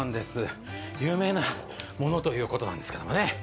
有名なものということなんですけどね。